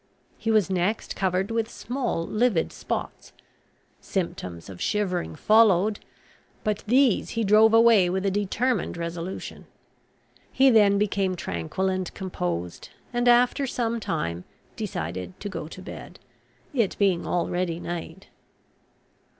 He was next covered with small livid spots: symptoms of shivering followed, but these he drove away with a determined resolution. He then became tranquil and composed, and, after some time, decided to go to bed, it being already night.